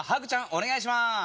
お願いします。